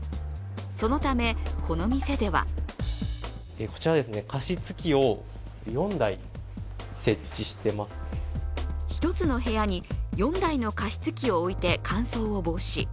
そのため、この店では１つの部屋に４台の加湿器を置いて乾燥を防止。